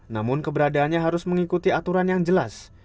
namun keberadaannya harus mengikuti aturan yang jelas